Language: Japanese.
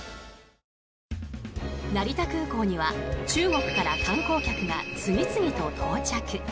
成田空港には中国から観光客が次々と到着。